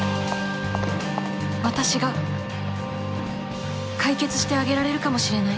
私が解決してあげられるかもしれない